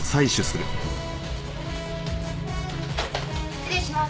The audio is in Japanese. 失礼します。